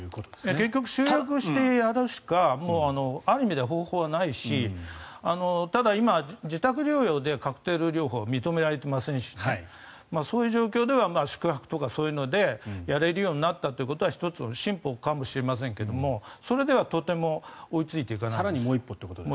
結局集約してやるしかある意味では方法はないしただ、今自宅療養でカクテル療法は認められていませんしそういう状況では宿泊とかそういうところでできるようになったということは１つ、進歩かもしれませんがそれではとても追いついていかないです。